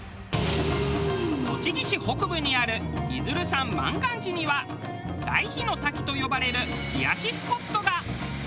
栃木市北部にある出流山満願寺には大悲の滝と呼ばれる冷やしスポットが。